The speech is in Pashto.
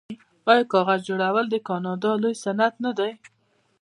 آیا کاغذ جوړول د کاناډا لوی صنعت نه دی؟